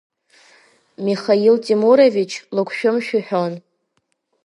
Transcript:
Михаил Темурович лыгәшәымшә иҳәон…